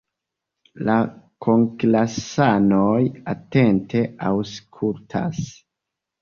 La kunklasanoj atente aŭskultas.